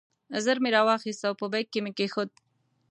ژر مې را واخیست او په بیک کې مې کېښود.